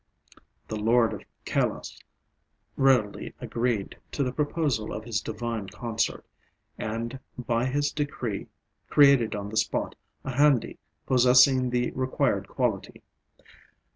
The lord of Kailas readily agreed to the proposal of his divine consort, and by his decree created on the spot a handi possessing the required quality.